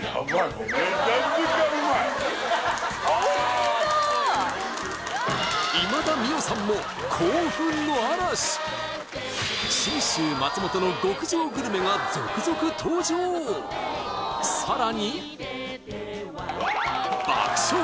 もう今田美桜さんも興奮の嵐信州松本の極上グルメが続々登場さらに爆食！